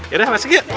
yaudah masuk yuk